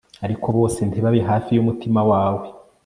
Ariko bose ntibabe hafi yumutima wawe